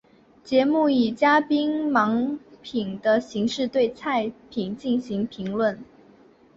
节目以嘉宾盲品的形式对菜品进行评论。